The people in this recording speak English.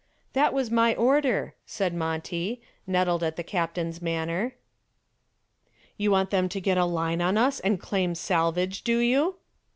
"That was my order," said Monty, nettled at the captain's manner. "You want them to get a line on us and claim salvage, do you?"